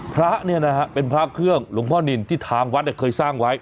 พระเนี่ยนะฮะเป็นพระเครื่องหลวงพ่อนินที่ทางวัดเคยสร้างไว้